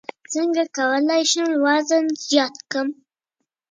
څنګه کولی شم د روژې وروسته وزن بېرته نه ډېرېږي